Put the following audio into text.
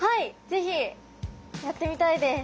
ぜひやってみたいです。